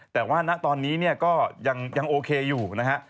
แต่ว่าณตอนนี้เนี่ยก็ยังโอเคอยู่นะฮะ